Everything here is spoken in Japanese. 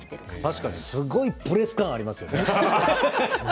確かにすごいプレス感ありますよね。